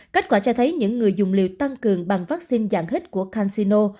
kết quả cho thấy những người dùng liều tăng cường bằng vaccine dạng hít của cansino